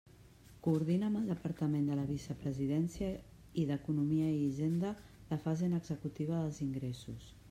Coordina amb el Departament de la Vicepresidència i d'Economia i Hisenda la fase en executiva dels ingressos.